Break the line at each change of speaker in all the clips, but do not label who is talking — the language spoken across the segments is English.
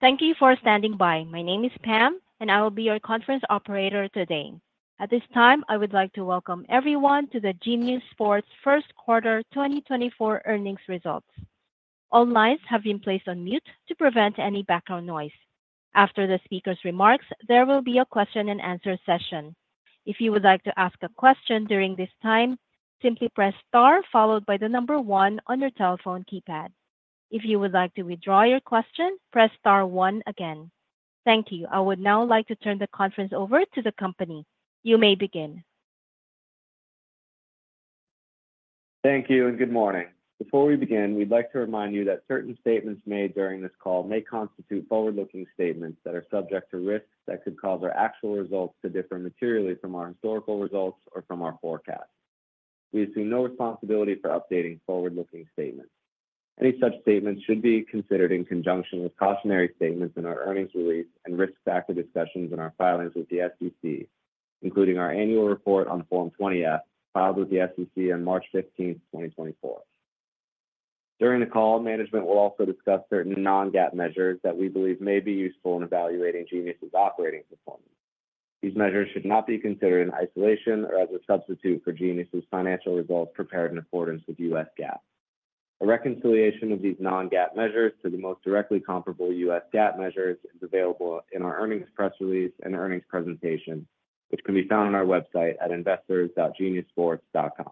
Thank you for standing by. My name is Pam, and I will be your conference operator today. At this time, I would like to welcome everyone to the Genius Sports Q1 2024 earnings results. All lines have been placed on mute to prevent any background noise. After the speaker's remarks, there will be a question-and-answer session. If you would like to ask a question during this time, simply press * followed by the number 1 on your telephone keypad. If you would like to withdraw your question, press * 1 again. Thank you. I would now like to turn the conference over to the company. You may begin. Thank you and good morning. Before we begin, we'd like to remind you that certain statements made during this call may constitute forward-looking statements that are subject to risks that could cause our actual results to differ materially from our historical results or from our forecast. We assume no responsibility for updating forward-looking statements. Any such statements should be considered in conjunction with cautionary statements in our earnings release and risk factor discussions in our filings with the SEC, including our annual report on Form 20-F filed with the SEC on March 15, 2024. During the call, management will also discuss certain non-GAAP measures that we believe may be useful in evaluating Genius's operating performance. These measures should not be considered in isolation or as a substitute for Genius's financial results prepared in accordance with U.S. GAAP. A reconciliation of these non-GAAP measures to the most directly comparable U.S. GAAP measures is available in our earnings press release and earnings presentation, which can be found on our website at investors.geniussports.com.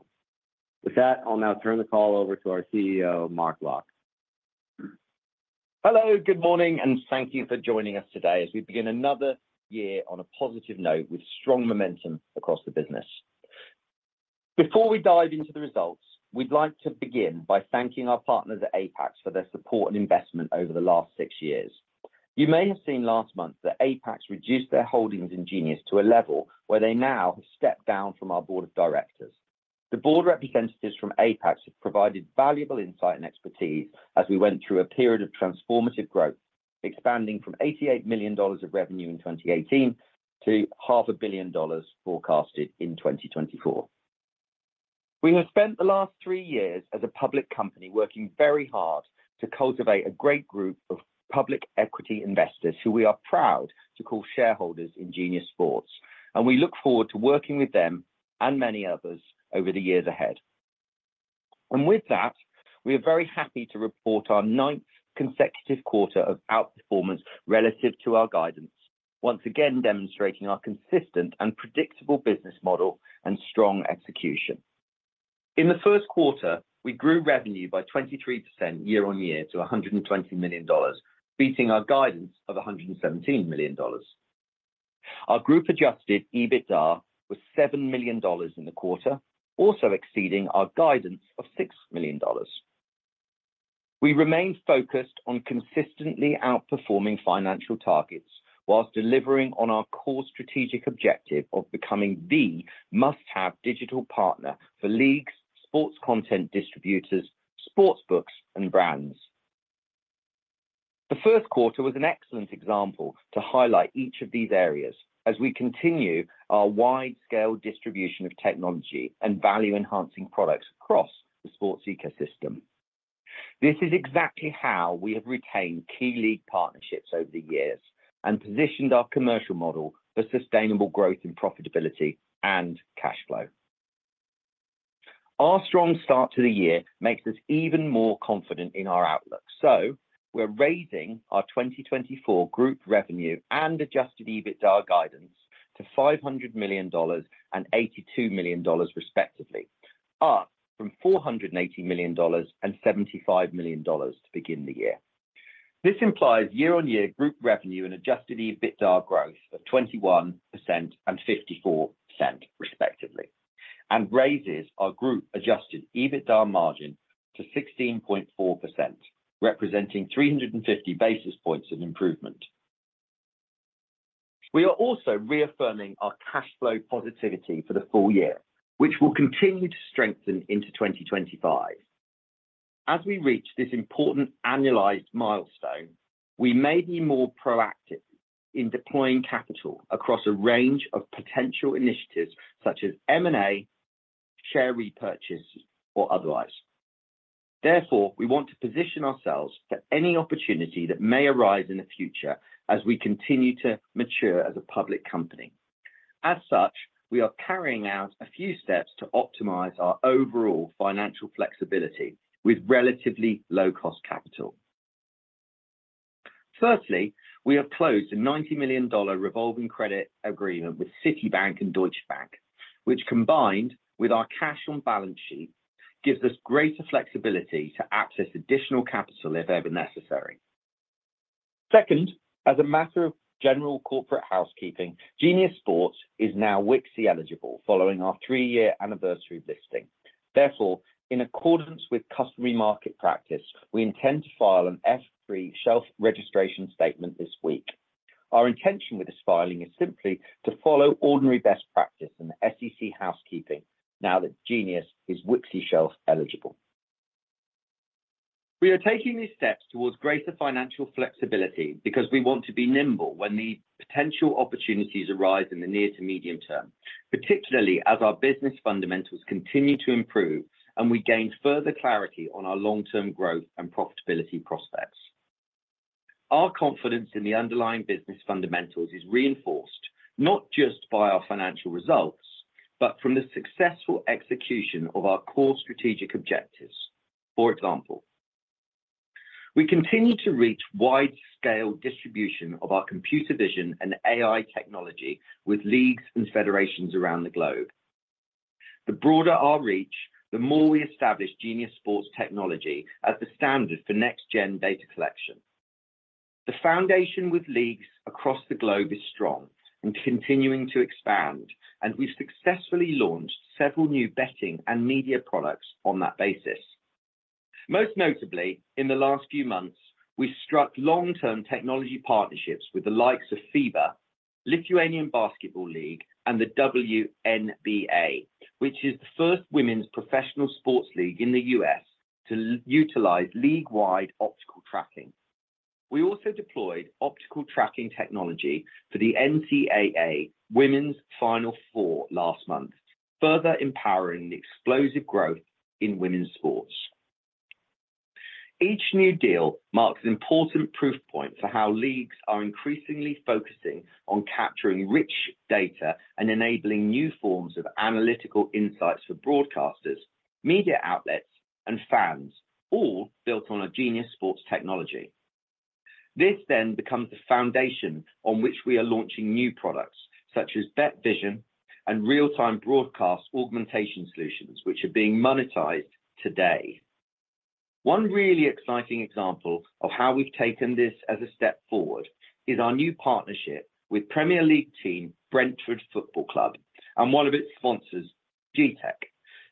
With that, I'll now turn the call over to our CEO, Mark Locke.
Hello, good morning, and thank you for joining us today as we begin another year on a positive note with strong momentum across the business. Before we dive into the results, we'd like to begin by thanking our partners at Apax for their support and investment over the last six years. You may have seen last month that Apax reduced their holdings in Genius to a level where they now have stepped down from our board of directors. The board representatives from Apax have provided valuable insight and expertise as we went through a period of transformative growth, expanding from $88 million of revenue in 2018 to $500 million forecasted in 2024. We have spent the last 3 years as a public company working very hard to cultivate a great group of public equity Investors who we are proud to call shareholders in Genius Sports, and we look forward to working with them and many others over the years ahead. With that, we are very happy to report our ninth consecutive quarter of outperformance relative to our guidance, once again demonstrating our consistent and predictable business model and strong execution. In the Q1, we grew revenue by 23% year-on-year to $120 million, beating our guidance of $117 million. Our group-adjusted EBITDA was $7 million in the quarter, also exceeding our guidance of $6 million. We remained focused on consistently outperforming financial targets while delivering on our core strategic objective of becoming the must-have digital partner for leagues, sports content distributors, sportsbooks, and brands. The Q1 was an excellent example to highlight each of these areas as we continue our wide-scale distribution of technology and value-enhancing products across the sports ecosystem. This is exactly how we have retained key league partnerships over the years and positioned our commercial model for sustainable growth in profitability and cash flow. Our strong start to the year makes us even more confident in our outlook, so we're raising our 2024 group revenue and Adjusted EBITDA guidance to $500 million and $82 million, respectively, up from $480 million and $75 million to begin the year. This implies year-over-year group revenue and Adjusted EBITDA growth of 21% and 54%, respectively, and raises our group-Adjusted EBITDA margin to 16.4%, representing 350 basis points of improvement. We are also reaffirming our cash flow positivity for the full year, which will continue to strengthen into 2025. As we reach this important annualized milestone, we may be more proactive in deploying capital across a range of potential initiatives such as M&A, share repurchase, or otherwise. Therefore, we want to position ourselves for any opportunity that may arise in the future as we continue to mature as a public company. As such, we are carrying out a few steps to optimize our overall financial flexibility with relatively low-cost capital. Firstly, we have closed a $90 million revolving credit agreement with Citibank and Deutsche Bank, which, combined with our cash on balance sheet, gives us greater flexibility to access additional capital if ever necessary. Second, as a matter of general corporate housekeeping, Genius Sports is now WKSI eligible following our 3-year anniversary of listing. Therefore, in accordance with customary market practice, we intend to file an F-3 shelf registration statement this week. Our intention with this filing is simply to follow ordinary best practice in the SEC housekeeping now that Genius is WKSI shelf eligible. We are taking these steps towards greater financial flexibility because we want to be nimble when the potential opportunities arise in the near to medium term, particularly as our business fundamentals continue to improve and we gain further clarity on our long-term growth and profitability prospects. Our confidence in the underlying business fundamentals is reinforced not just by our financial results but from the successful execution of our core strategic objectives, for example. We continue to reach wide-scale distribution of our Computer Vision and AI technology with leagues and federations around the globe. The broader our reach, the more we establish Genius Sports technology as the standard for next-gen data collection. The foundation with leagues across the globe is strong and continuing to expand, and we've successfully launched several new betting and media products on that basis. Most notably, in the last few months, we've struck long-term technology partnerships with the likes of FIBA, Lithuanian Basketball League, and the WNBA, which is the first women's professional sports league in the U.S. to utilize league-wide optical tracking. We also deployed optical tracking technology for the NCAA Women's Final Four last month, further empowering the explosive growth in women's sports. Each new deal marks an important proof point for how leagues are increasingly focusing on capturing rich data and enabling new forms of analytical insights for broadcasters, media outlets, and fans, all built on our Genius Sports technology. This then becomes the foundation on which we are launching new products such as BetVision and real-time broadcast augmentation solutions, which are being monetized today. One really exciting example of how we've taken this as a step forward is our new partnership with Premier League team Brentford Football Club and one of its sponsors, Gtech,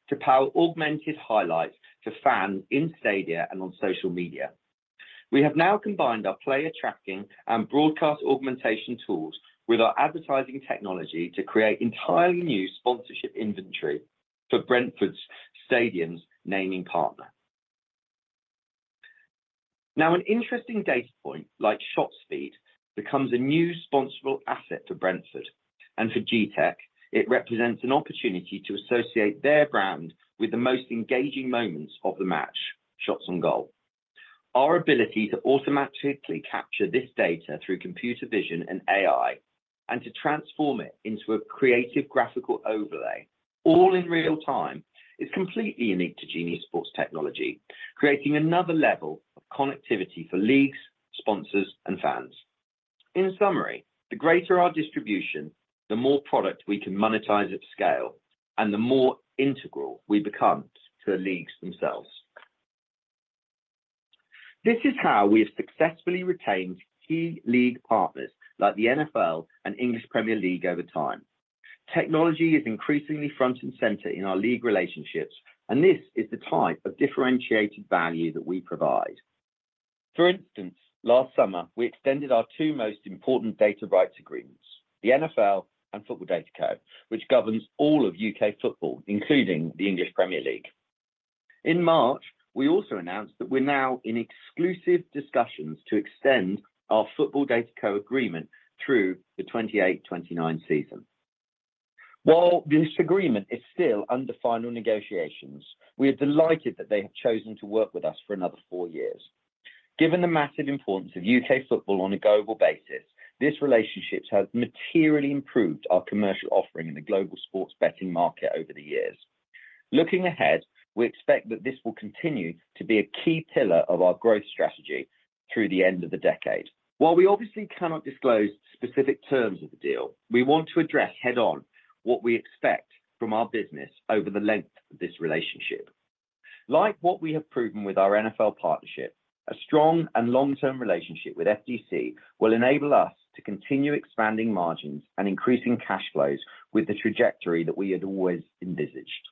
to power augmented highlights to fans in stadium and on social media. We have now combined our player tracking and broadcast augmentation tools with our advertising technology to create entirely new sponsorship inventory for Brentford's stadium's naming partner. Now, an interesting data point like shot speed becomes a new sponsorable asset for Brentford. And for Gtech, it represents an opportunity to associate their brand with the most engaging moments of the match, shots on goal. Our ability to automatically capture this data through computer vision and AI and to transform it into a creative graphical overlay, all in real time, is completely unique to Genius Sports technology, creating another level of connectivity for leagues, sponsors, and fans. In summary, the greater our distribution, the more product we can monetize at scale, and the more integral we become to the leagues themselves. This is how we have successfully retained key league partners like the NFL and English Premier League over time. Technology is increasingly front and center in our league relationships, and this is the type of differentiated value that we provide. For instance, last summer, we extended our two most important data rights agreements, the NFL and Football DataCo, which governs all of U.K. football, including the English Premier League. In March, we also announced that we're now in exclusive discussions to extend our Football DataCo agreement through the 2028/2029 season. While this agreement is still under final negotiations, we are delighted that they have chosen to work with us for another four years. Given the massive importance of U.K. football on a global basis, these relationships have materially improved our commercial offering in the global sports betting market over the years. Looking ahead, we expect that this will continue to be a key pillar of our growth strategy through the end of the decade. While we obviously cannot disclose specific terms of the deal, we want to address head-on what we expect from our business over the length of this relationship. Like what we have proven with our NFL partnership, a strong and long-term relationship with FDC will enable us to continue expanding margins and increasing cash flows with the trajectory that we had always envisaged.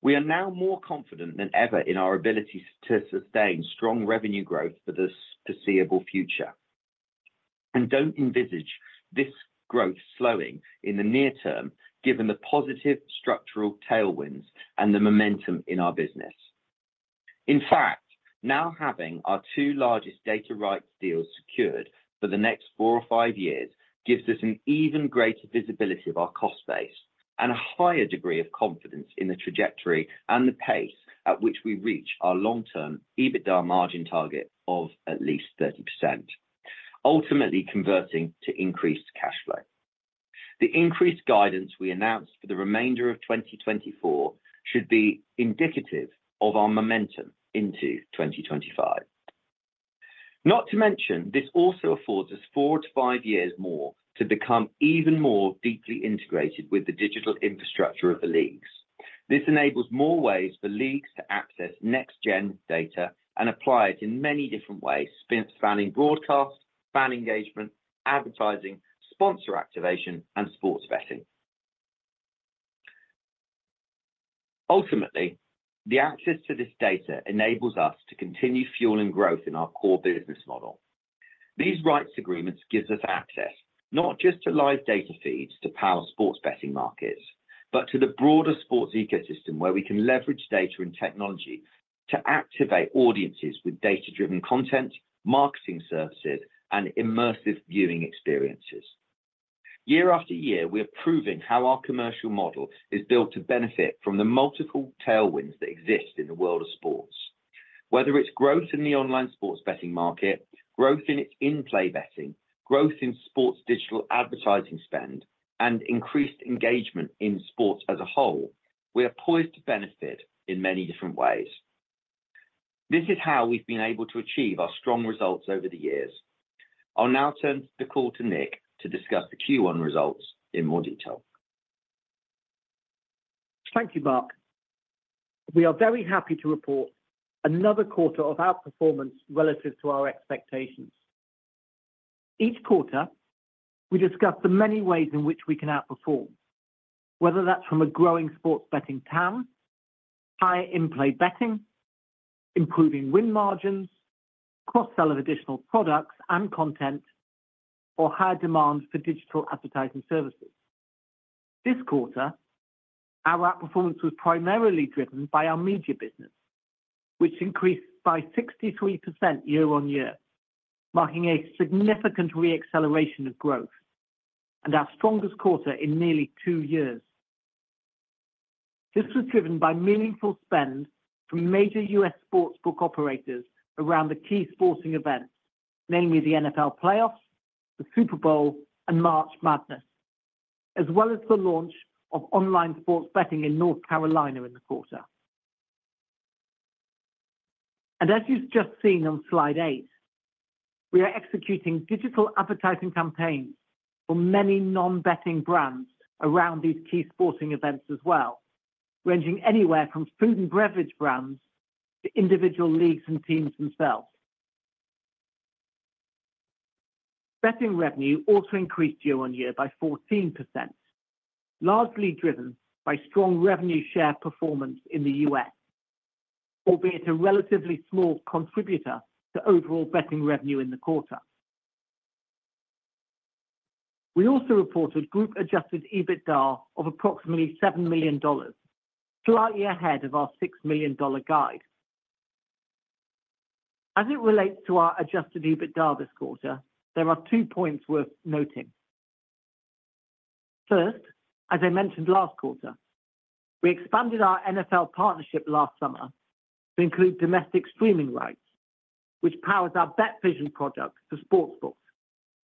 We are now more confident than ever in our ability to sustain strong revenue growth for the foreseeable future. Don't envisage this growth slowing in the near term, given the positive structural tailwinds and the momentum in our business. In fact, now having our two largest data rights deals secured for the next four or five years gives us an even greater visibility of our cost base and a higher degree of confidence in the trajectory and the pace at which we reach our long-term EBITDA margin target of at least 30%, ultimately converting to increased cash flow. The increased guidance we announced for the remainder of 2024 should be indicative of our momentum into 2025. Not to mention, this also affords us four to five years more to become even more deeply integrated with the digital infrastructure of the leagues. This enables more ways for leagues to access next-gen data and apply it in many different ways, spanning broadcast, fan engagement, advertising, sponsor activation, and sports betting. Ultimately, the access to this data enables us to continue fueling growth in our core business model. These rights agreements give us access not just to live data feeds to power sports betting markets, but to the broader sports ecosystem where we can leverage data and technology to activate audiences with data-driven content, marketing services, and immersive viewing experiences. Year after year, we are proving how our commercial model is built to benefit from the multiple tailwinds that exist in the world of sports, whether it's growth in the online sports betting market, growth in its in-play betting, growth in sports digital advertising spend, and increased engagement in sports as a whole. We are poised to benefit in many different ways. This is how we've been able to achieve our strong results over the years. I'll now turn the call to Nick to discuss the Q1 results in more detail. Thank you, Mark. We are very happy to report another quarter of outperformance relative to our expectations. Each quarter, we discuss the many ways in which we can outperform, whether that's from a growing sports betting PAM, higher in-play betting, improving win margins, cross-sell of additional products and content, or higher demand for digital advertising services. This quarter, our outperformance was primarily driven by our media business, which increased by 63% year-on-year, marking a significant reacceleration of growth and our strongest quarter in nearly two years. This was driven by meaningful spend from major U.S. sportsbook operators around the key sporting events, namely the NFL playoffs, the Super Bowl, and March Madness, as well as the launch of online sports betting in North Carolina in the quarter. As you've just seen on Slide 8, we are executing digital advertising campaigns for many non-betting brands around these key sporting events as well, ranging anywhere from food and beverage brands to individual leagues and teams themselves. Betting revenue also increased year-over-year by 14%, largely driven by strong revenue share performance in the U.S., albeit a relatively small contributor to overall betting revenue in the quarter. We also reported Group-adjusted EBITDA of approximately $7 million, slightly ahead of our $6 million guide. As it relates to our Adjusted EBITDA this quarter, there are two points worth noting. First, as I mentioned last quarter, we expanded our NFL partnership last summer to include domestic streaming rights, which powers our BetVision product for sportsbooks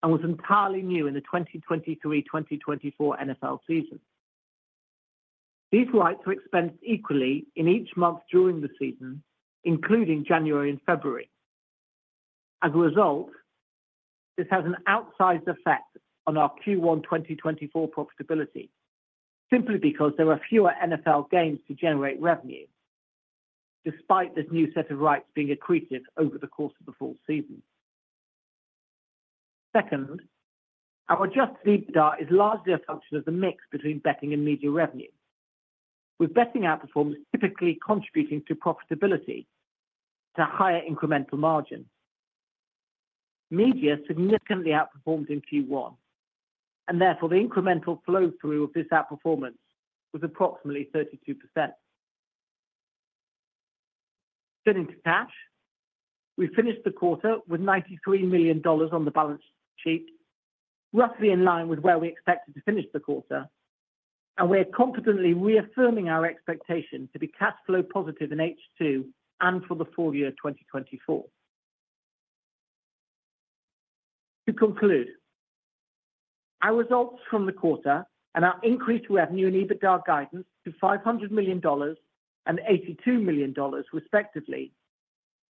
and was entirely new in the 2023/2024 NFL season. These rights were expensed equally in each month during the season, including January and February. As a result, this has an outsized effect on our Q1/2024 profitability simply because there are fewer NFL games to generate revenue, despite this new set of rights being accretive over the course of the full season. Second, our Adjusted EBITDA is largely a function of the mix between betting and media revenue, with betting outperformance typically contributing to profitability at a higher incremental margin. Media significantly outperformed in Q1, and therefore, the incremental flow-through of this outperformance was approximately 32%. Spending to cash, we finished the quarter with $93 million on the balance sheet, roughly in line with where we expected to finish the quarter. We are confidently reaffirming our expectation to be cash flow positive in H2 and for the full year 2024. To conclude, our results from the quarter and our increased revenue and EBITDA guidance to $500 million and $82 million, respectively,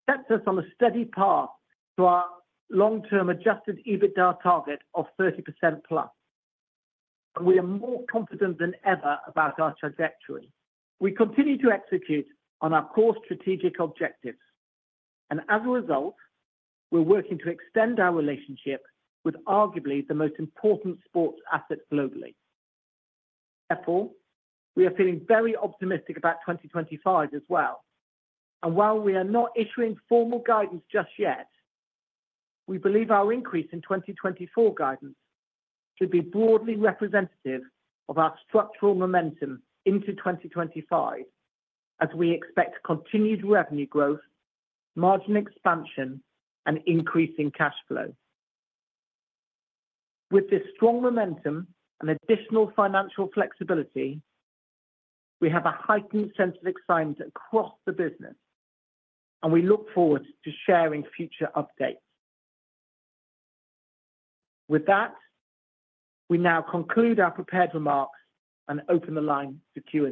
set us on a steady path to our long-term adjusted EBITDA target of 30%+. We are more confident than ever about our trajectory. We continue to execute on our core strategic objectives. As a result, we're working to extend our relationship with arguably the most important sports asset globally. Therefore, we are feeling very optimistic about 2025 as well. While we are not issuing formal guidance just yet, we believe our increase in 2024 guidance should be broadly representative of our structural momentum into 2025, as we expect continued revenue growth, margin expansion, and increasing cash flow. With this strong momentum and additional financial flexibility, we have a heightened sense of excitement across the business, and we look forward to sharing future updates. With that, we now conclude our prepared remarks and open the line to Q&A.
Q&A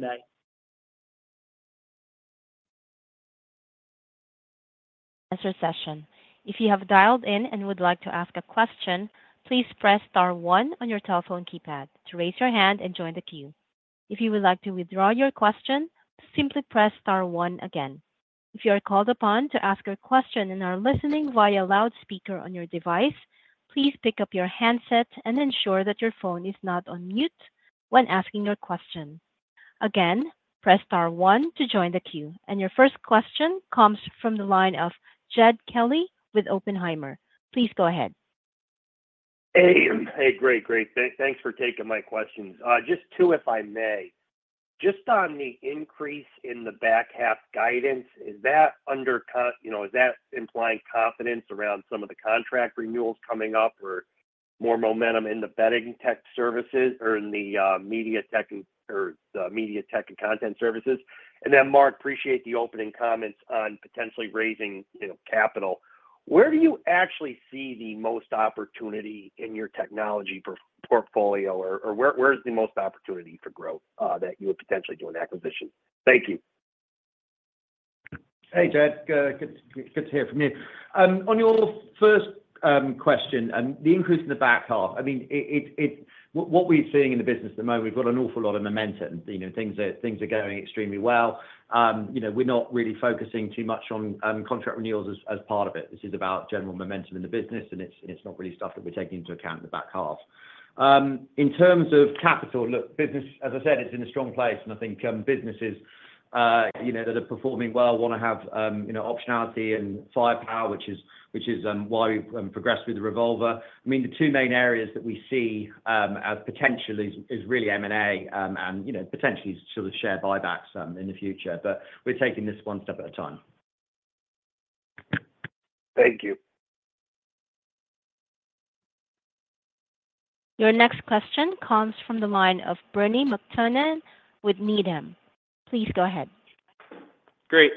session. If you have dialed in and would like to ask a question, please press star 1 on your telephone keypad to raise your hand and join the queue. If you would like to withdraw your question, simply press star 1 again. If you are called upon to ask a question and are listening via loudspeaker on your device, please pick up your handset and ensure that your phone is not on mute when asking your question. Again, press star 1 to join the queue. Your first question comes from the line of Jed Kelly with Oppenheimer. Please go ahead.
Hey, great, great. Thanks for taking my questions. Just two, if I may. Just on the increase in the back half guidance, is that implying confidence around some of the contract renewals coming up or more momentum in the betting tech services or in the media tech or the media tech and content services? And then, Mark, appreciate the opening comments on potentially raising capital. Where do you actually see the most opportunity in your technology portfolio, or where's the most opportunity for growth that you would potentially do an acquisition? Thank you.
Hey, Jed. Good to hear from you. On your first question and the increase in the back half, I mean, what we're seeing in the business at the moment, we've got an awful lot of momentum. Things are going extremely well. We're not really focusing too much on contract renewals as part of it. This is about general momentum in the business, and it's not really stuff that we're taking into account in the back half. In terms of capital, look, business, as I said, it's in a strong place. And I think businesses that are performing well want to have optionality and firepower, which is why we progressed with the revolver. I mean, the two main areas that we see as potential is really M&A and potentially sort of share buybacks in the future. But we're taking this one step at a time.
Thank you.
Your next question comes from the line of Bernie McTernan with Needham. Please go ahead.
Great.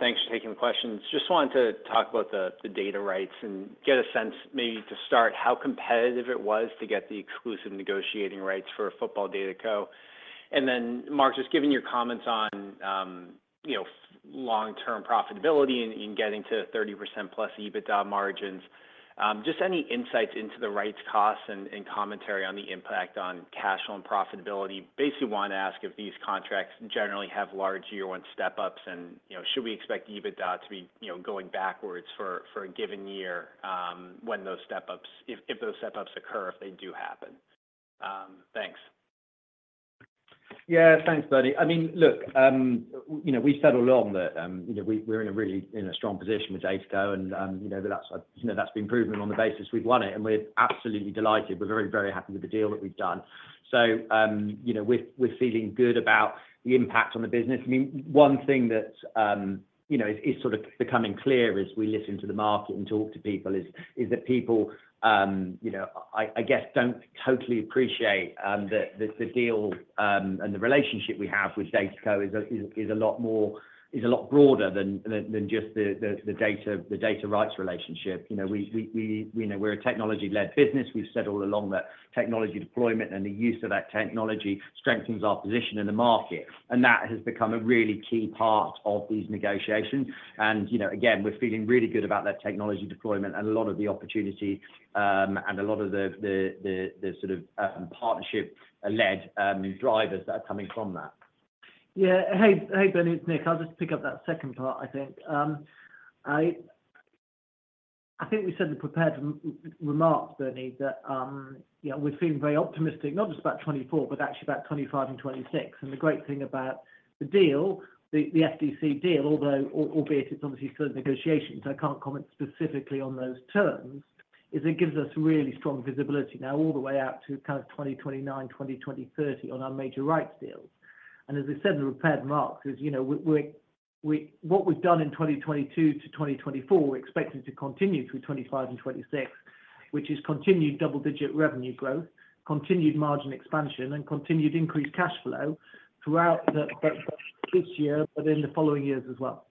Thanks for taking the questions. Just wanted to talk about the data rights and get a sense, maybe to start, how competitive it was to get the exclusive negotiating rights for Football DataCo. And then, Mark, just given your comments on long-term profitability and getting to 30%+ EBITDA margins, just any insights into the rights costs and commentary on the impact on cash flow and profitability. Basically, want to ask if these contracts generally have large year-one step-ups, and should we expect EBITDA to be going backwards for a given year when those step-ups if those step-ups occur, if they do happen. Thanks.
Yeah, thanks, Buddy. I mean, look, we've said all along that we're in a really strong position with DataCo, and that's been proven on the basis we've won it. We're absolutely delighted. We're very, very happy with the deal that we've done. So we're feeling good about the impact on the business. I mean, one thing that is sort of becoming clear as we listen to the market and talk to people is that people, I guess, don't totally appreciate that the deal and the relationship we have with DataCo is a lot broader than just the data rights relationship. We're a technology-led business. We've said all along that technology deployment and the use of that technology strengthens our position in the market. And that has become a really key part of these negotiations. And again, we're feeling really good about that technology deployment and a lot of the opportunities and a lot of the sort of partnership-led drivers that are coming from that.
Yeah. Hey, Bernie. It's Nick. I'll just pick up that second part, I think. I think we said in the prepared remarks, Bernie, that we're feeling very optimistic, not just about 2024, but actually about 2025 and 2026. And the great thing about the deal, the FDC deal, although albeit it's obviously still in negotiations, I can't comment specifically on those terms, is it gives us really strong visibility now all the way out to kind of 2029, 2030, 2030 on our major rights deals. And as I said in the prepared remarks, what we've done in 2022 to 2024, we're expecting to continue through 2025 and 2026, which is continued double-digit revenue growth, continued margin expansion, and continued increased cash flow throughout this year but in the following years as well.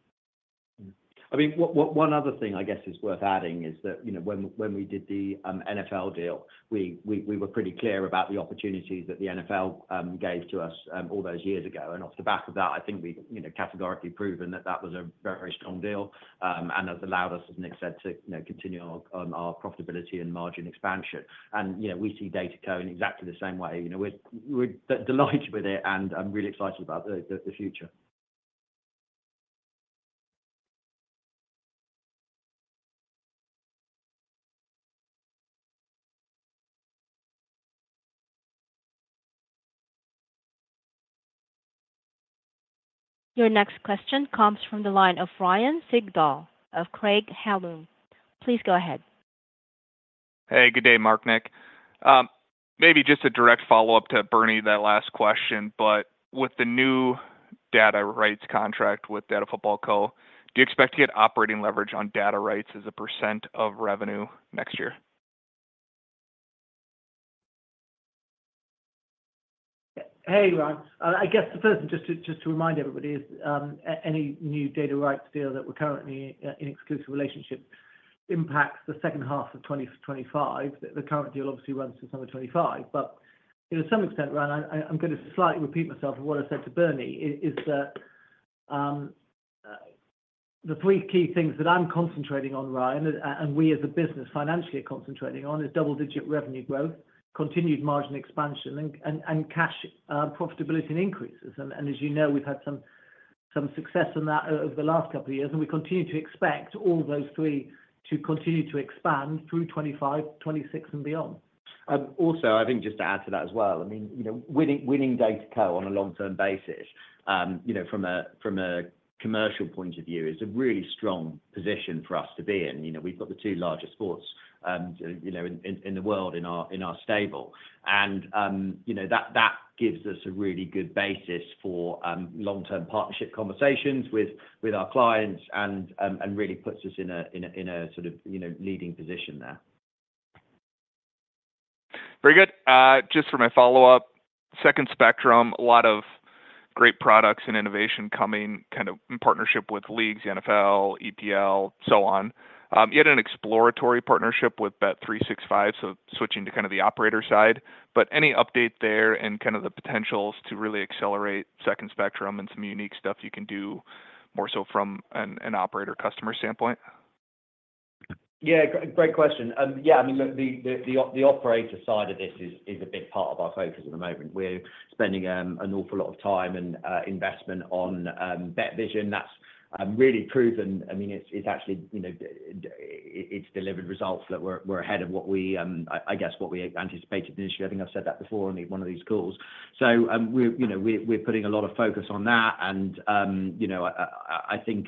I mean, one other thing, I guess, is worth adding is that when we did the NFL deal, we were pretty clear about the opportunities that the NFL gave to us all those years ago. And off the back of that, I think we've categorically proven that that was a very strong deal and has allowed us, as Nick said, to continue our profitability and margin expansion. And we see DataCo in exactly the same way. We're delighted with it and really excited about the future.
Your next question comes from the line of Ryan Sigdahl of Craig-Hallum. Please go ahead.
Hey, good day, Mark, Nick. Maybe just a direct follow-up to Bernie, that last question, but with the new data rights contract with Football DataCo, do you expect to get operating leverage on data rights as a % of revenue next year?
Hey, Ryan. I guess the first thing, just to remind everybody, is any new data rights deal that we're currently in exclusive relationship impacts the second half of 2025. The current deal obviously runs to summer 2025. But to some extent, Ryan, I'm going to slightly repeat myself of what I said to Bernie, is that the three key things that I'm concentrating on, Ryan, and we as a business financially are concentrating on, is double-digit revenue growth, continued margin expansion, and cash profitability and increases. And as you know, we've had some success on that over the last couple of years, and we continue to expect all those three to continue to expand through 2025, 2026, and beyond.
Also, I think just to add to that as well, I mean, winning DataCo on a long-term basis from a commercial point of view is a really strong position for us to be in. We've got the two largest sports in the world in our stable. And that gives us a really good basis for long-term partnership conversations with our clients and really puts us in a sort of leading position there.
Very good. Just for my follow-up, Second Spectrum, a lot of great products and innovation coming kind of in partnership with leagues, NFL, EPL, so on. You had an exploratory partnership with Bet365, so switching to kind of the operator side. But any update there in kind of the potentials to really accelerate Second Spectrum and some unique stuff you can do more so from an operator-customer standpoint?
Yeah, great question. Yeah, I mean, the operator side of this is a big part of our focus at the moment. We're spending an awful lot of time and investment on BetVision. That's really proven. I mean, it's actually it's delivered results that we're ahead of what we I guess what we anticipated initially. I think I've said that before on one of these calls. So we're putting a lot of focus on that. And I think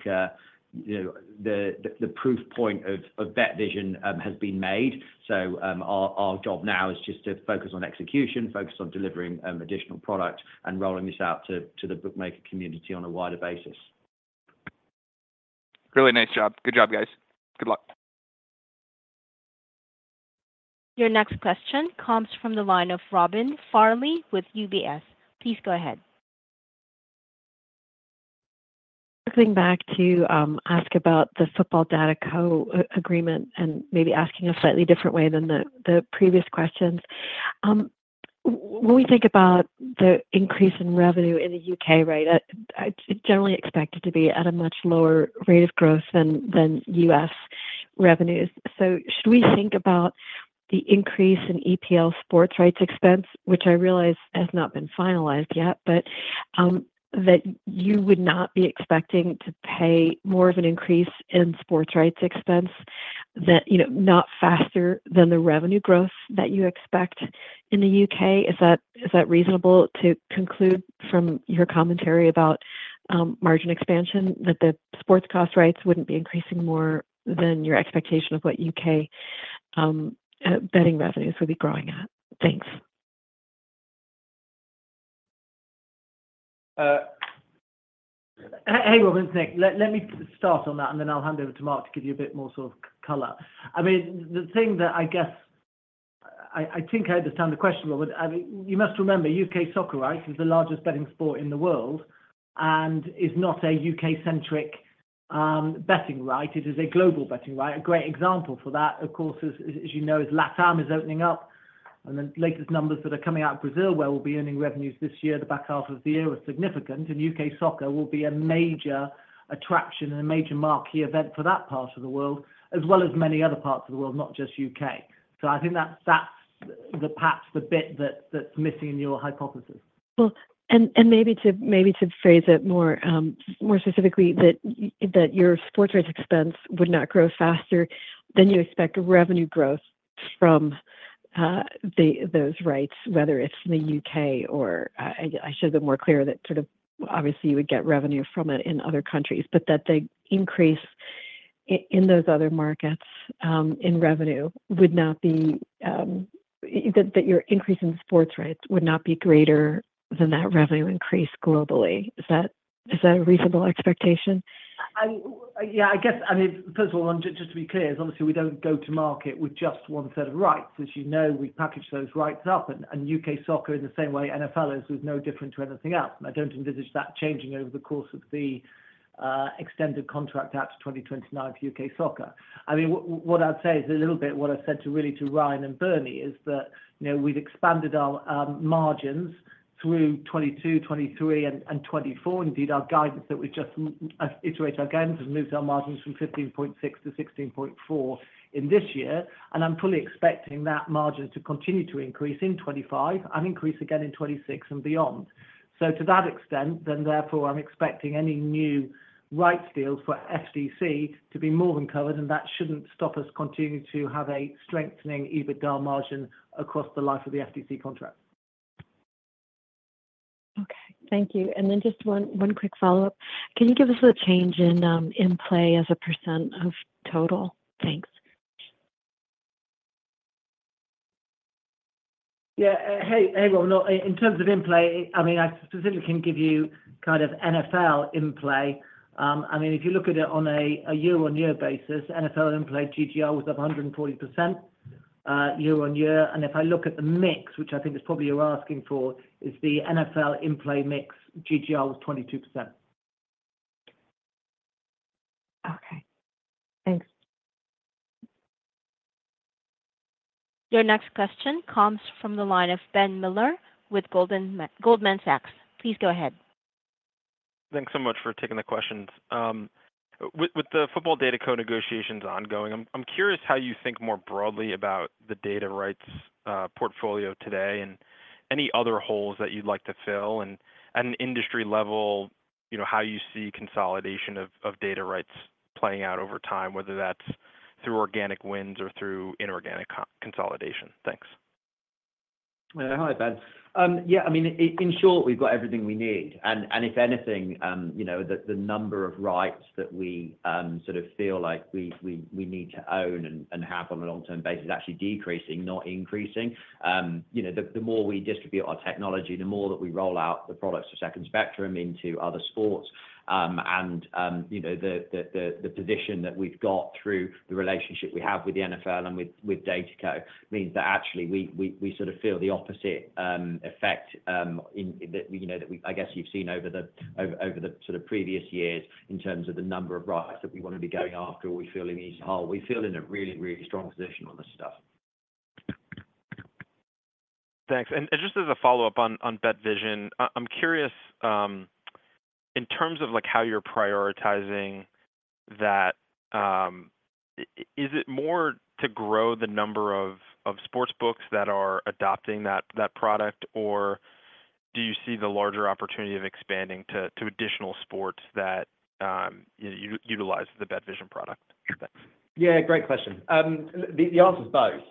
the proof point of BetVision has been made. So our job now is just to focus on execution, focus on delivering additional product, and rolling this out to the bookmaker community on a wider basis.
Really nice job. Good job, guys. Good luck.
Your next question comes from the line of Robin Farley with UBS. Please go ahead.
Circling back to ask about the Football DataCo agreement and maybe asking a slightly different way than the previous questions. When we think about the increase in revenue in the U.K., right, it's generally expected to be at a much lower rate of growth than U.S. revenues. So should we think about the increase in EPL sports rights expense, which I realize has not been finalized yet, but that you would not be expecting to pay more of an increase in sports rights expense that is not faster than the revenue growth that you expect in the U.K.? Is that reasonable to conclude from your commentary about margin expansion, that the sports rights costs wouldn't be increasing more than your expectation of what U.K. betting revenues would be growing at? Thanks.
Hey, Robin, Nick. Let me start on that, and then I'll hand over to Mark to give you a bit more sort of color. I mean, the thing that I guess I think I understand the question, Robin. I mean, you must remember, UK soccer rights is the largest betting sport in the world and is not a UK-centric betting right. It is a global betting right. A great example for that, of course, as you know, is LATAM is opening up. And then latest numbers that are coming out of Brazil, where we'll be earning revenues this year, the back half of the year are significant. And UK soccer will be a major attraction and a major marquee event for that part of the world, as well as many other parts of the world, not just UK. So I think that's perhaps the bit that's missing in your hypothesis.
Well, and maybe to phrase it more specifically, that your sports rights expense would not grow faster than you expect revenue growth from those rights, whether it's in the UK or I should have been more clear that sort of obviously, you would get revenue from it in other countries, but that the increase in those other markets in revenue would not be that your increase in sports rights would not be greater than that revenue increase globally. Is that a reasonable expectation?
Yeah, I guess I mean, first of all, just to be clear, is obviously, we don't go to market with just one set of rights. As you know, we package those rights up. And UK soccer, in the same way, NFL is no different to anything else. And I don't envisage that changing over the course of the extended contract out to 2029 for UK soccer. I mean, what I'd say is a little bit what I said really to Ryan and Bernie is that we've expanded our margins through 2022, 2023, and 2024. Indeed, our guidance that we've just iterated our guidance has moved our margins from 15.6% to 16.4% in this year. And I'm fully expecting that margin to continue to increase in 2025 and increase again in 2026 and beyond. So to that extent, then therefore, I'm expecting any new rights deals for FDC to be more than covered, and that shouldn't stop us continuing to have a strengthening EBITDA margin across the life of the FDC contract.
Okay. Thank you. And then just one quick follow-up. Can you give us a change in-play as a % of total? Thanks.
Yeah. Hey, Robin. In terms of in-play, I mean, I specifically can give you kind of NFL in-play. I mean, if you look at it on a year-on-year basis, NFL in-play GGR was up 140% year-on-year. And if I look at the mix, which I think is probably you're asking for, is the NFL in-play mix, GGR was 22%.
Okay. Thanks.
Your next question comes from the line of Ben Miller with Goldman Sachs. Please go ahead.
Thanks so much for taking the questions. With the Football DataCo negotiations ongoing, I'm curious how you think more broadly about the data rights portfolio today and any other holes that you'd like to fill and at an industry level, how you see consolidation of data rights playing out over time, whether that's through organic wins or through inorganic consolidation. Thanks.
Hi, Ben. Yeah, I mean, in short, we've got everything we need. And if anything, the number of rights that we sort of feel like we need to own and have on a long-term basis is actually decreasing, not increasing. The more we distribute our technology, the more that we roll out the products of Second Spectrum into other sports. And the position that we've got through the relationship we have with the NFL and with DataCo means that actually, we sort of feel the opposite effect that I guess you've seen over the sort of previous years in terms of the number of rights that we want to be going after or we feel in these holes. We feel in a really, really strong position on this stuff.
Thanks. Just as a follow-up on BetVision, I'm curious, in terms of how you're prioritizing that, is it more to grow the number of sportsbooks that are adopting that product, or do you see the larger opportunity of expanding to additional sports that utilize the BetVision product? Thanks.
Yeah, great question. The answer's both.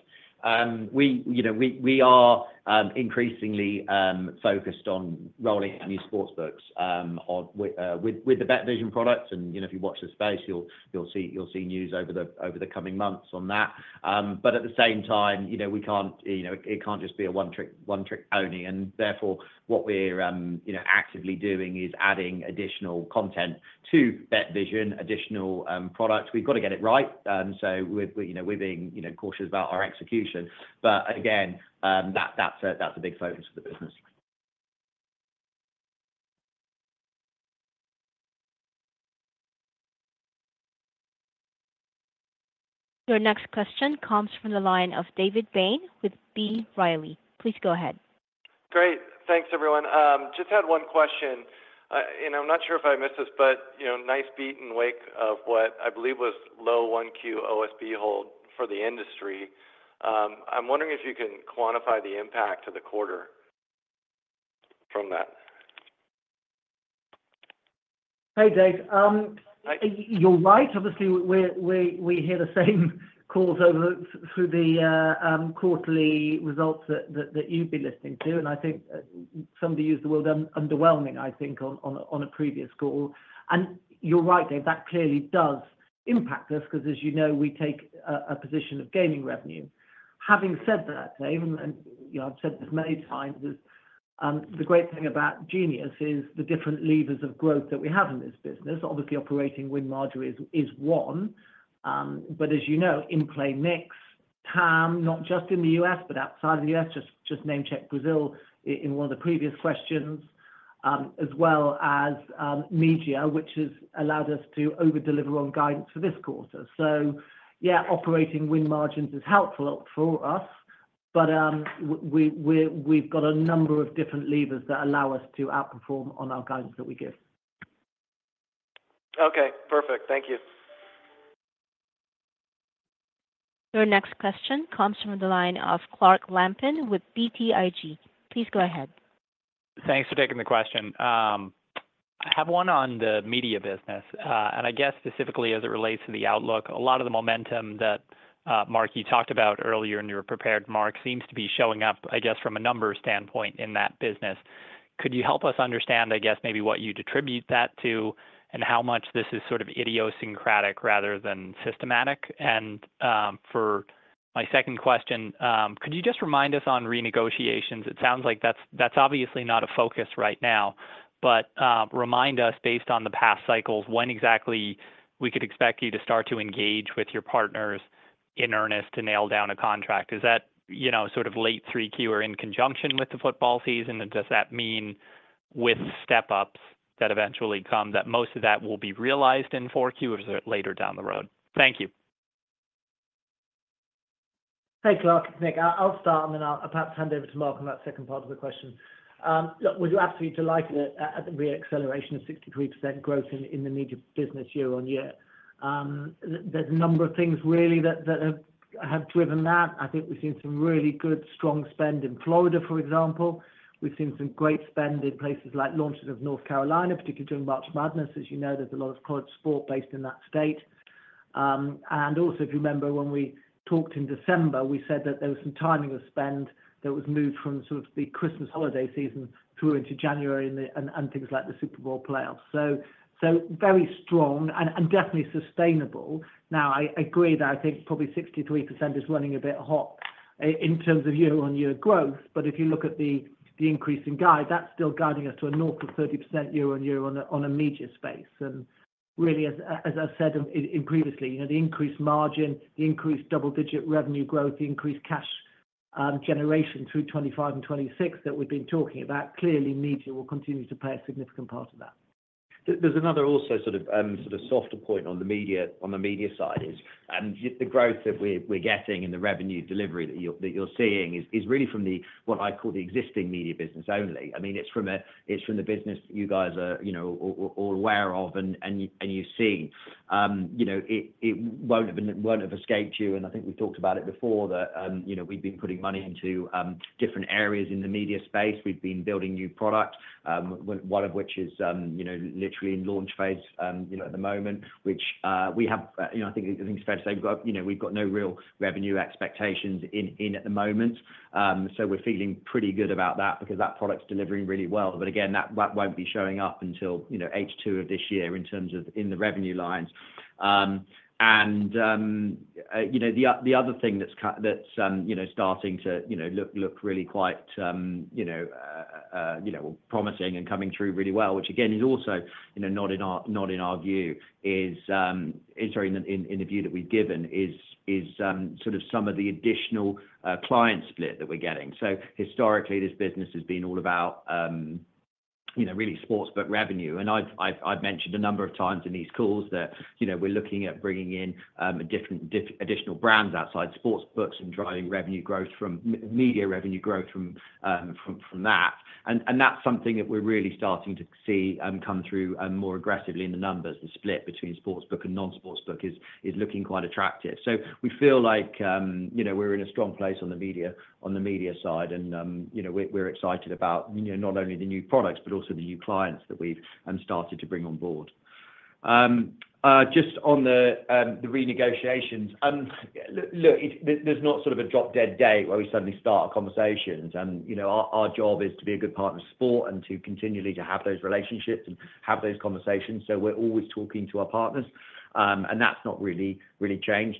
We are increasingly focused on rolling out new sports books with the BetVision product. And if you watch the space, you'll see news over the coming months on that. But at the same time, we can't. It can't just be a one-trick pony. And therefore, what we're actively doing is adding additional content to BetVision, additional products. We've got to get it right. So we're being cautious about our execution. But again, that's a big focus for the business.
Your next question comes from the line of David Bain with B. Riley. Please go ahead.
Great. Thanks, everyone. Just had one question. I'm not sure if I missed this, but nice beat in the wake of what I believe was low 1Q OSB hold for the industry. I'm wondering if you can quantify the impact to the quarter from that.
Hi, Dave. You're right. Obviously, we hear the same calls through the quarterly results that you've been listening to. And I think somebody used the word underwhelming, I think, on a previous call. And you're right, Dave. That clearly does impact us because, as you know, we take a position of gaming revenue. Having said that, Dave, and I've said this many times, the great thing about Genius is the different levers of growth that we have in this business. Obviously, operating win margin is one. But as you know, inplay mix, TAM, not just in the U.S. but outside of the U.S., just name-check Brazil in one of the previous questions, as well as Media, which has allowed us to overdeliver on guidance for this quarter. So yeah, operating win margins is helpful for us, but we've got a number of different levers that allow us to outperform on our guidance that we give.
Okay. Perfect. Thank you.
Your next question comes from the line of Clark Lampen with BTIG. Please go ahead.
Thanks for taking the question. I have one on the media business. And I guess specifically, as it relates to the outlook, a lot of the momentum that, Mark, you talked about earlier and you were prepared, Mark, seems to be showing up, I guess, from a number standpoint in that business. Could you help us understand, I guess, maybe what you attribute that to and how much this is sort of idiosyncratic rather than systematic? And for my second question, could you just remind us on renegotiations? It sounds like that's obviously not a focus right now, but remind us, based on the past cycles, when exactly we could expect you to start to engage with your partners in earnest to nail down a contract. Is that sort of late 3Q or in conjunction with the football season? Does that mean, with step-ups that eventually come, that most of that will be realized in 4Q or is it later down the road? Thank you.
Thanks, Clark. Nick, I'll start, and then I'll perhaps hand over to Mark on that second part of the question. Look, we're absolutely delighted at the re-acceleration of 63% growth in the media business year-on-year. There's a number of things, really, that have driven that. I think we've seen some really good, strong spend in Florida, for example. We've seen some great spend in places like launches of North Carolina, particularly during March Madness. As you know, there's a lot of college sport based in that state. And also, if you remember, when we talked in December, we said that there was some timing of spend that was moved from sort of the Christmas holiday season through into January and things like the Super Bowl playoffs. So very strong and definitely sustainable. Now, I agree that I think probably 63% is running a bit hot in terms of year-on-year growth. But if you look at the increase in guide, that's still guiding us to a north of 30% year-on-year on a media space. And really, as I've said previously, the increased margin, the increased double-digit revenue growth, the increased cash generation through 2025 and 2026 that we've been talking about, clearly, media will continue to play a significant part of that.
There's another also sort of softer point on the media side is the growth that we're getting and the revenue delivery that you're seeing is really from what I call the existing media business only. I mean, it's from the business that you guys are all aware of and you've seen. It won't have escaped you. I think we've talked about it before, that we've been putting money into different areas in the media space. We've been building new product, one of which is literally in launch phase at the moment, which we have I think it's fair to say we've got no real revenue expectations in at the moment. So we're feeling pretty good about that because that product's delivering really well. But again, that won't be showing up until H2 of this year in terms of in the revenue lines. And the other thing that's starting to look really quite promising and coming through really well, which again is also not in our view is sorry, in the view that we've given, is sort of some of the additional client split that we're getting. So historically, this business has been all about really sportsbook revenue. And I've mentioned a number of times in these calls that we're looking at bringing in additional brands outside sportsbooks and driving revenue growth from media revenue growth from that. And that's something that we're really starting to see come through more aggressively in the numbers. The split between sportsbook and non-sportsbook is looking quite attractive. So we feel like we're in a strong place on the media side, and we're excited about not only the new products but also the new clients that we've started to bring on board. Just on the renegotiations, look, there's not sort of a drop-dead day where we suddenly start a conversation. Our job is to be a good partner of sport and to continually have those relationships and have those conversations. We're always talking to our partners, and that's not really changed.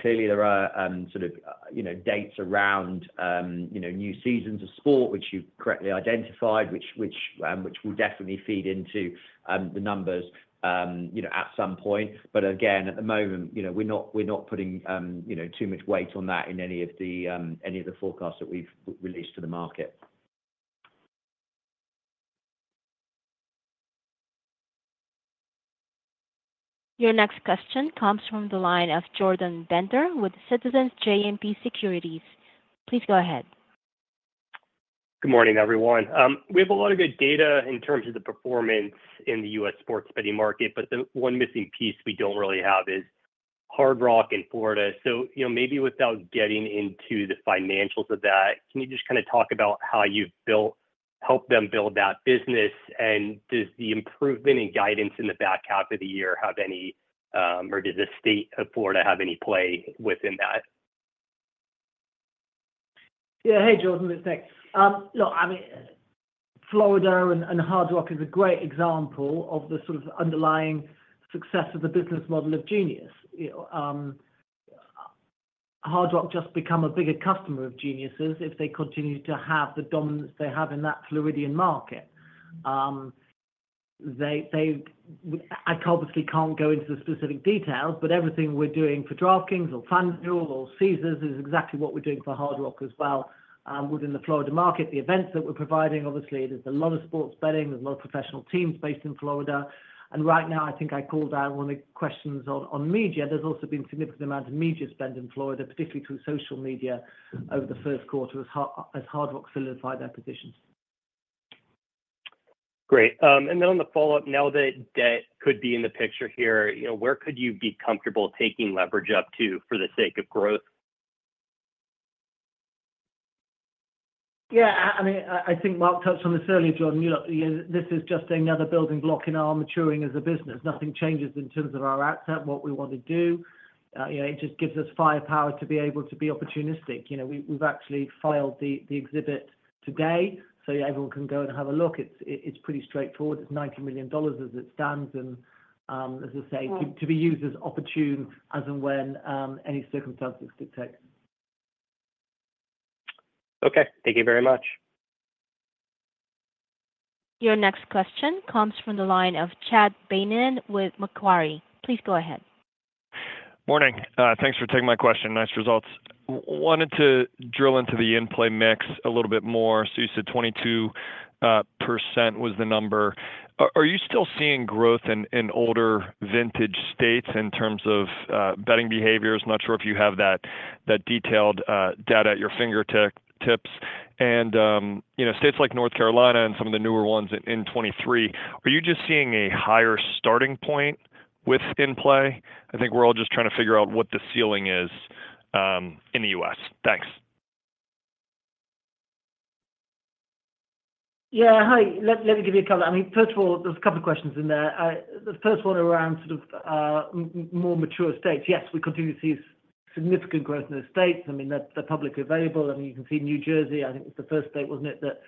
Clearly, there are sort of dates around new seasons of sport, which you've correctly identified, which will definitely feed into the numbers at some point. Again, at the moment, we're not putting too much weight on that in any of the forecasts that we've released to the market.
Your next question comes from the line of Jordan Bender with Citizens JMP Securities. Please go ahead.
Good morning, everyone. We have a lot of good data in terms of the performance in the U.S. sports betting market, but the one missing piece we don't really have is Hard Rock in Florida. So maybe without getting into the financials of that, can you just kind of talk about how you've helped them build that business? And does the improvement in guidance in the back half of the year have any or does the state of Florida have any play within that?
Yeah. Hey, Jordan. It's Nick. Look, I mean, Florida and Hard Rock is a great example of the sort of underlying success of the business model of Genius. Hard Rock just become a bigger customer of Genius if they continue to have the dominance they have in that Floridian market. I obviously can't go into the specific details, but everything we're doing for DraftKings or FanDuel or Caesars is exactly what we're doing for Hard Rock as well within the Florida market. The events that we're providing, obviously, there's a lot of sports betting. There's a lot of professional teams based in Florida. And right now, I think I called out one of the questions on media. There's also been a significant amount of media spend in Florida, particularly through social media over the Q1 as Hard Rock solidified their positions.
Great. And then on the follow-up, now that debt could be in the picture here, where could you be comfortable taking leverage up to for the sake of growth?
Yeah. I mean, I think Mark touched on this earlier, Jordan. This is just another building block in our maturing as a business. Nothing changes in terms of our asset, what we want to do. It just gives us firepower to be able to be opportunistic. We've actually filed the exhibit today, so yeah, everyone can go and have a look. It's pretty straightforward. It's $90 million as it stands and, as I say, to be used opportunely as and when any circumstances dictate.
Okay. Thank you very much.
Your next question comes from the line of Chad Beynon with Macquarie. Please go ahead.
Morning. Thanks for taking my question. Nice results. Wanted to drill into the in-play mix a little bit more. So you said 22% was the number. Are you still seeing growth in older vintage states in terms of betting behaviors? Not sure if you have that detailed data at your fingertips. States like North Carolina and some of the newer ones in 2023, are you just seeing a higher starting point with in-play? I think we're all just trying to figure out what the ceiling is in the U.S. Thanks.
Yeah. Hi. Let me give you a couple. I mean, first of all, there's a couple of questions in there. The first one around sort of more mature states. Yes, we continue to see significant growth in those states. I mean, they're publicly available. I mean, you can see New Jersey, I think it was the first state, wasn't it, that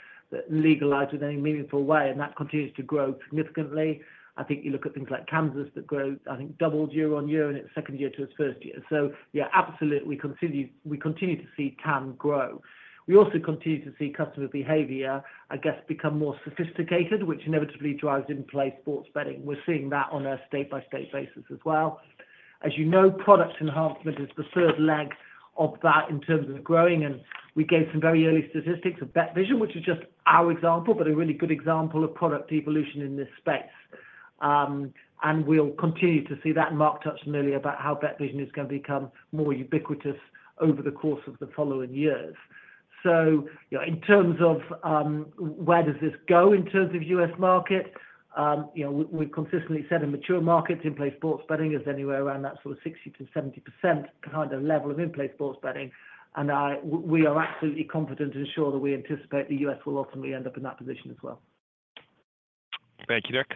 legalized with any meaningful way, and that continues to grow significantly. I think you look at things like Kansas that grow, I think, doubled year on year in its second year to its first year. So yeah, absolutely, we continue to see TAM grow. We also continue to see customer behavior, I guess, become more sophisticated, which inevitably drives inplay sports betting. We're seeing that on a state-by-state basis as well. As you know, product enhancement is the third leg of that in terms of growing. We gave some very early statistics of BetVision, which is just our example, but a really good example of product evolution in this space. We'll continue to see that. Mark touched on earlier about how BetVision is going to become more ubiquitous over the course of the following years. In terms of where does this go in terms of U.S. market? We've consistently said in mature markets, inplay sports betting is anywhere around that sort of 60%-70% kind of level of inplay sports betting. We are absolutely confident and sure that we anticipate the U.S. will ultimately end up in that position as well.
Thank you, Nick.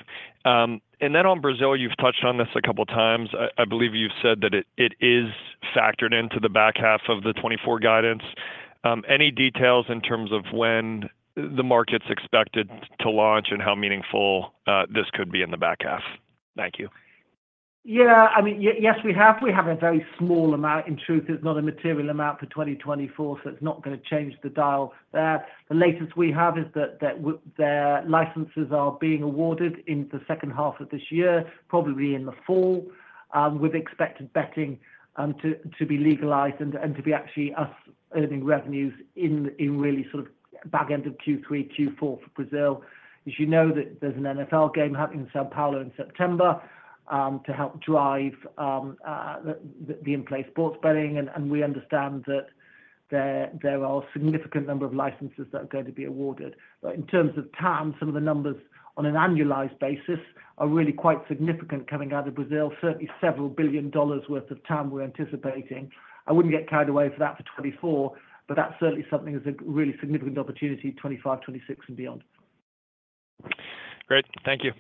And then on Brazil, you've touched on this a couple of times. I believe you've said that it is factored into the back half of the 2024 guidance. Any details in terms of when the market's expected to launch and how meaningful this could be in the back half? Thank you.
Yeah. I mean, yes, we have. We have a very small amount. In truth, it's not a material amount for 2024, so it's not going to change the dial there. The latest we have is that their licenses are being awarded in the second half of this year, probably in the fall, with expected betting to be legalized and to be actually us earning revenues in really sort of back end of Q3, Q4 for Brazil. As you know, there's an NFL game happening in São Paulo in September to help drive the in-play sports betting. And we understand that there are a significant number of licenses that are going to be awarded. But in terms of TAM, some of the numbers on an annualized basis are really quite significant coming out of Brazil. Certainly, several billion dollars' worth of TAM we're anticipating. I wouldn't get carried away for that for 2024, but that's certainly something that's a really significant opportunity 2025, 2026, and beyond.
Great. Thank you.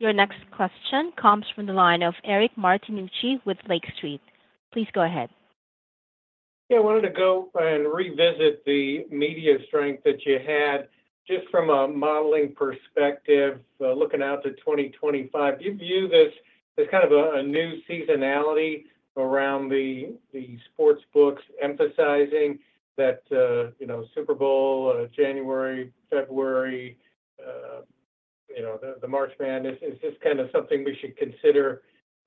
Your next question comes from the line of Eric Martinuzzi with Lake Street. Please go ahead.
Yeah. I wanted to go and revisit the media strength that you had just from a modeling perspective, looking out to 2025. Do you view this as kind of a new seasonality around the sportsbooks emphasizing that Super Bowl, January, February, the March Madness, is this kind of something we should consider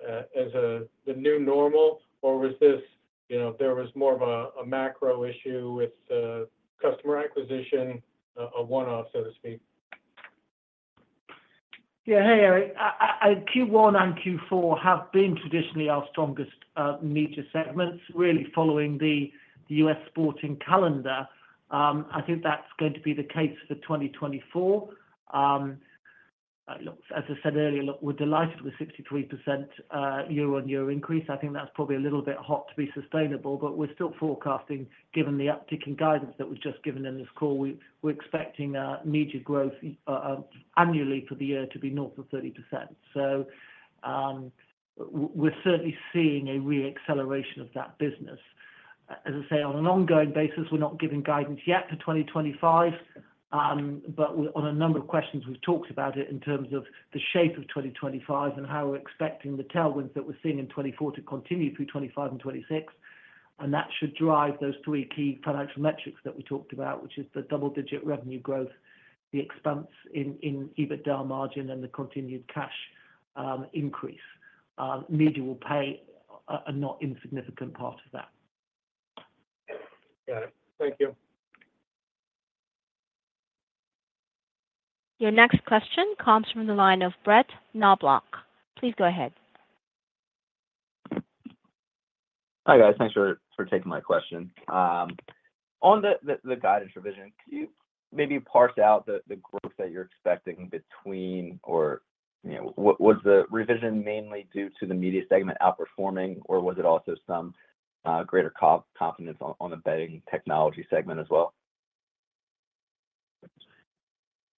as the new normal, or was this there was more of a macro issue with customer acquisition, a one-off, so to speak?
Yeah. Hey, Eric. Q1 and Q4 have been traditionally our strongest media segments, really following the U.S. sporting calendar. I think that's going to be the case for 2024. As I said earlier, look, we're delighted with a 63% year-on-year increase. I think that's probably a little bit hot to be sustainable, but we're still forecasting, given the uptick in guidance that was just given in this call, we're expecting media growth annually for the year to be north of 30%. So we're certainly seeing a reacceleration of that business. As I say, on an ongoing basis, we're not giving guidance yet for 2025, but on a number of questions, we've talked about it in terms of the shape of 2025 and how we're expecting the tailwinds that we're seeing in 2024 to continue through 2025 and 2026. That should drive those three key financial metrics that we talked about, which is the double-digit revenue growth, the expense in EBITDA margin, and the continued cash increase. Media will pay a not-insignificant part of that.
Got it. Thank you.
Your next question comes from the line of Brett Knoblauch. Please go ahead.
Hi guys. Thanks for taking my question. On the guidance revision, could you maybe parse out the growth that you're expecting between or was the revision mainly due to the media segment outperforming, or was it also some greater confidence on the betting technology segment as well?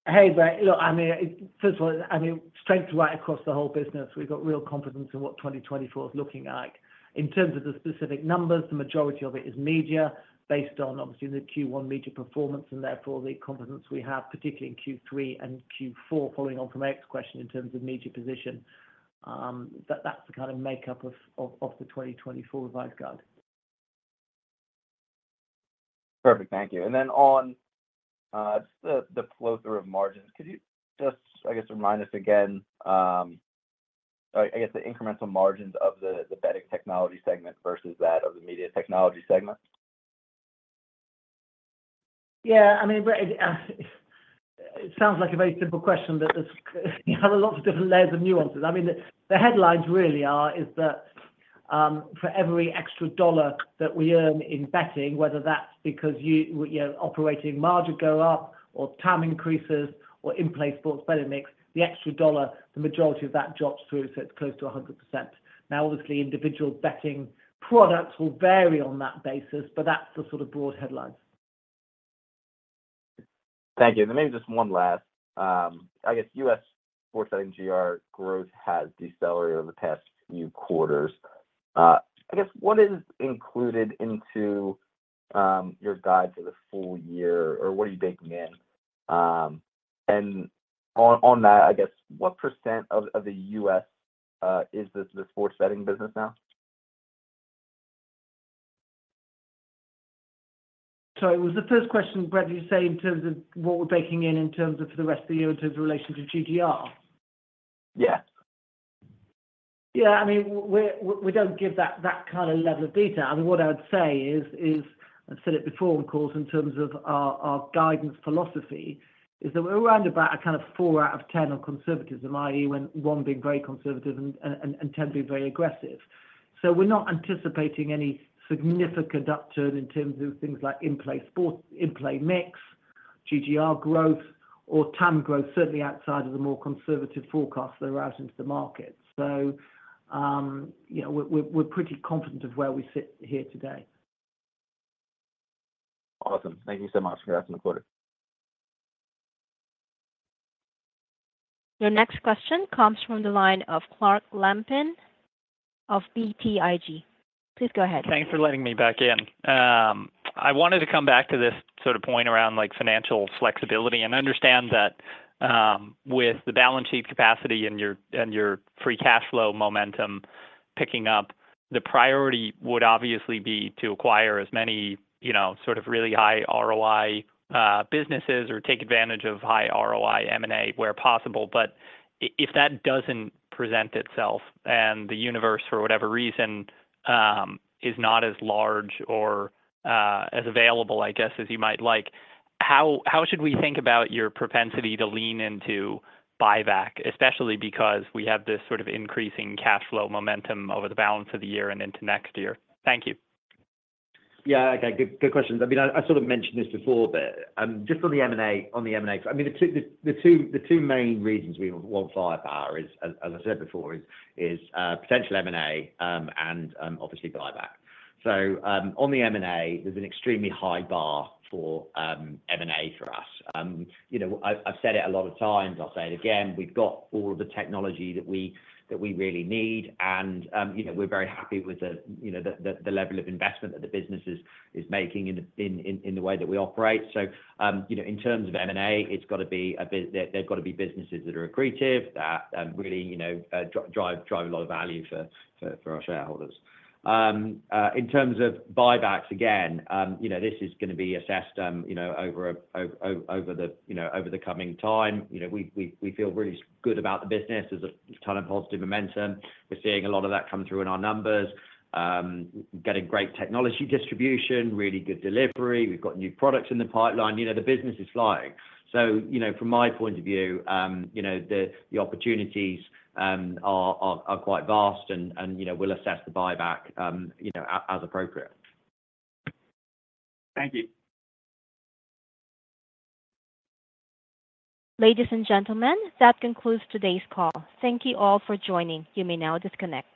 Hey, look, I mean, first of all, I mean, strength right across the whole business. We've got real confidence in what 2024 is looking like. In terms of the specific numbers, the majority of it is media based on, obviously, the Q1 media performance and therefore the confidence we have, particularly in Q3 and Q4, following on from Eric's question in terms of media position. That's the kind of makeup of the 2024 revised guide.
Perfect. Thank you. And then on just the flow-through of margins, could you just, I guess, remind us again, I guess, the incremental margins of the betting technology segment versus that of the media technology segment?
Yeah. I mean, it sounds like a very simple question, but there's a lot of different layers of nuances. I mean, the headlines really are that for every extra dollar that we earn in betting, whether that's because operating margin goes up or TAM increases or in-play sports betting mix, the extra dollar, the majority of that drops through, so it's close to 100%. Now, obviously, individual betting products will vary on that basis, but that's the sort of broad headlines.
Thank you. And then maybe just one last. I guess U.S. sports betting GGR growth has decelerated over the past few quarters. I guess, what is included into your guide for the full year, or what are you baking in? And on that, I guess, what % of the U.S. is the sports betting business now?
Sorry. Was the first question, Brett, did you say in terms of what we're baking in in terms of for the rest of the year in terms of relation to GGR?
Yes.
Yeah. I mean, we don't give that kind of level of detail. I mean, what I would say is, I've said it before, of course, in terms of our guidance philosophy, is that we're around about a kind of 4 out of 10 on conservatism, i.e., one being very conservative and 10 being very aggressive. So we're not anticipating any significant upturn in terms of things like inplay sports, inplay mix, GGR growth, or TAM growth, certainly outside of the more conservative forecasts that are out into the market. So we're pretty confident of where we sit here today.
Awesome. Thank you so much for that in the quarter.
Your next question comes from the line of Clark Lampen of BTIG. Please go ahead.
Thanks for letting me back in. I wanted to come back to this sort of point around financial flexibility. I understand that with the balance sheet capacity and your free cash flow momentum picking up, the priority would obviously be to acquire as many sort of really high ROI businesses or take advantage of high ROI M&A where possible. But if that doesn't present itself and the universe, for whatever reason, is not as large or as available, I guess, as you might like, how should we think about your propensity to lean into buyback, especially because we have this sort of increasing cash flow momentum over the balance of the year and into next year? Thank you.
Yeah. Good questions. I mean, I sort of mentioned this before, but just on the M&A I mean, the two main reasons we want firepower, as I said before, is potential M&A and obviously buyback. So on the M&A, there's an extremely high bar for M&A for us. I've said it a lot of times. I'll say it again. We've got all of the technology that we really need, and we're very happy with the level of investment that the business is making in the way that we operate. So in terms of M&A, it's got to be they've got to be businesses that are accretive, that really drive a lot of value for our shareholders. In terms of buybacks, again, this is going to be assessed over the coming time. We feel really good about the business. There's a ton of positive momentum. We're seeing a lot of that come through in our numbers, getting great technology distribution, really good delivery. We've got new products in the pipeline. The business is flying. So from my point of view, the opportunities are quite vast and we'll assess the buyback as appropriate.
Thank you.
Ladies and gentlemen, that concludes today's call. Thank you all for joining. You may now disconnect.